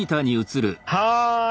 はい。